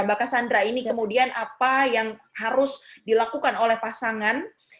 mbak cassandra ini kemudian apa yang harus dilakukan oleh pasangan